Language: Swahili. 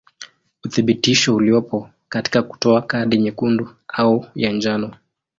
Uthibitisho uliopo katika kutoa kadi nyekundu au ya njano.